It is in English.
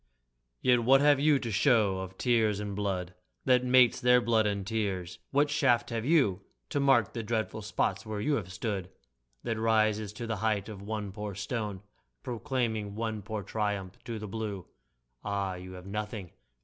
Yet what have you to show of tears and blood, That mates their blood and tears? What shaft have you, To mark the dreadful spots where you have stood, That rises to the height of one poor stone Proclaiming one poor triumph to the blue ? Ah, you have nothing!